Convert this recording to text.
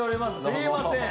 すいません